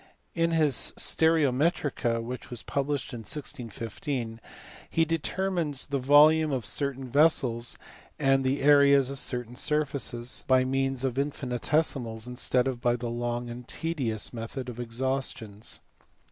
In his Stereometria^ which was published in 1615, he deter mines the volumes of certain vessels and the areas of certain surfaces, by means of infinitesimals instead of by the long and tedious method of exhaustions.